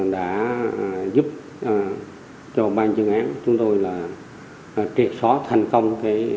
đã giúp cho băng chương án chúng tôi triệt só thành công